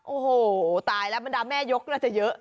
โอ้โหตายแล้วบรรดาแม่ยกน่าจะเยอะ